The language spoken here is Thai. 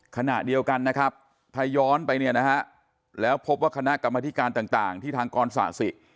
ขณะเดียวกันนะครับถ้าย้อนไปเนี่ยนะฮะแล้วพบว่าคณะกรรมธิการต่างที่ทางกรศาสิ